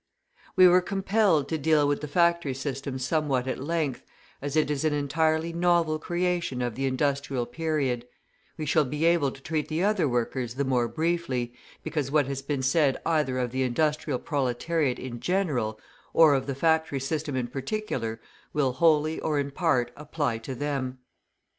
We were compelled to deal with the factory system somewhat at length, as it is an entirely novel creation of the industrial period; we shall be able to treat the other workers the more briefly, because what has been said either of the industrial proletariat in general, or of the factory system in particular, will wholly, or in part, apply to them.